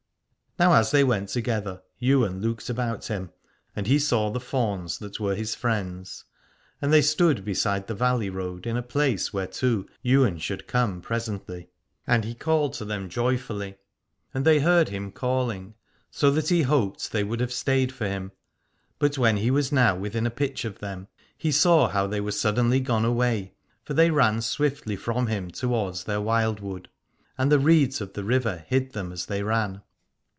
Now as they went together Ywain looked about him, and he saw the fauns that were his friends : and they stood beside the valley road in a place whereto Ywain should come presently. And he called to them joyfully, 195 Aladore and they heard him calling : so that he hoped they would have stayed for him. But when he was now within a pitch of them, he saw how they were suddenly gone away : for they ran swiftly from him towards their wildwood, and the reeds of the river hid them as they ran.